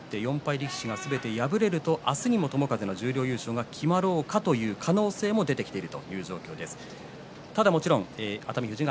力士すべて敗れると明日にも友風の優勝が決まるという可能性も出てきました。